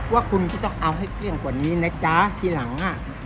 ว่าคุณก็ต้องเอาให้เกลี้ยงกว่านี้นะจ๊ะทีหลังอ่ะ